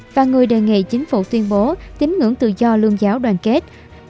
và người đề nghị chính phủ tuyên bố tính ngưỡng tự do lương giáo đoàn kết